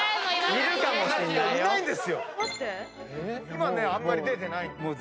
今ねあんまり出てない。